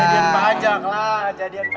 jadian pajak lah